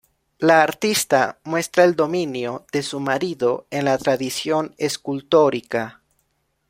La artista muestra el dominio de su marido en la tradición escultórica.